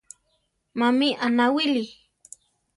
Mami anáwili?